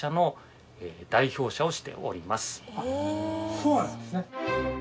そうなんですね。